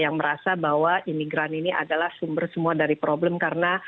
yang merasa bahwa imigran ini adalah sumber semua dari problem karena